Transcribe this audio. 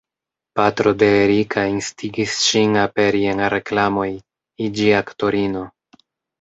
Patro de Erika instigis ŝin aperi en reklamoj, iĝi aktorino.